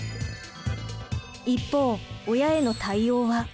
一方親への対応は。